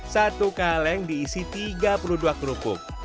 satu kaleng diisi tiga puluh dua kerupuk